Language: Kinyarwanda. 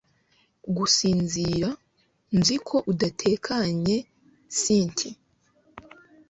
gusinzira nziko udatekanye cynti